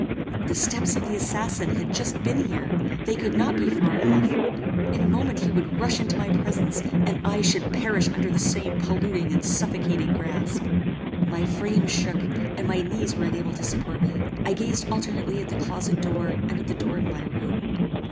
The steps of the assassin had just been here; they could not be far off; in a moment he would rush into my presence, and I should perish under the same polluting and suffocating grasp! My frame shook, and my knees were unable to support me. I gazed alternately at the closet door and at the door of my room.